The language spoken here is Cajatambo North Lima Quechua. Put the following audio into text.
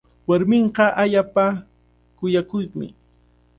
Warminqa allaapa kuyakuqmi.